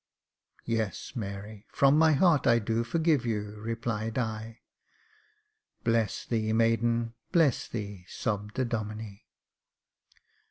" Yes, Mary, from my heart, I do forgive you," replied I. " Bless thee, maiden, bless thee !" sobbed the Domine.